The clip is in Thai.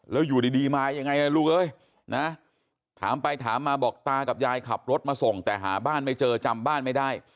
แล้วอยู่ดีมายังไงนะลูกเอ้ยนะถามไปถามมาบอกตากับยายขับรถมาส่งแต่หาบ้านไม่เจอจำบ้านไม่ได้